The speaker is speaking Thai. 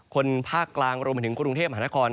คนภาคกลางรวมไปถึงกรุงเทพมหานคร